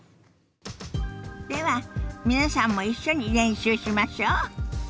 では皆さんも一緒に練習しましょ。